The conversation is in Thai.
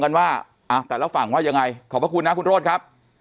กันว่าอ่ะแต่แล้วฝั่งว่ายังไงขอบคุณนะคุณโรดครับ